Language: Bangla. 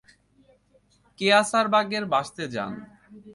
কেয়সারবাগের বাসে যান।